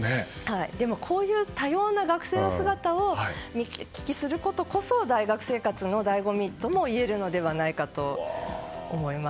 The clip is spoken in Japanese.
こういう多様な学生の姿を見聞きすることこそ大学生活の醍醐味とも言えるのではないかと思います。